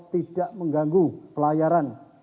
tidak mengganggu pelayaran